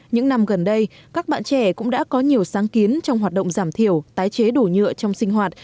những năm gần đây các bạn trẻ cũng đã có nhiều sáng kiến trong hoạt động giảm thiểu tái chế đổ nhựa trong sinh hoạt